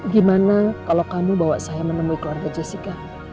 gimana kalau kamu bawa saya menemui keluarga jessica